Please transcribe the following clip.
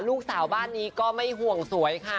ลูกสาวบ้านนี้ก็ไม่ห่วงสวยค่ะ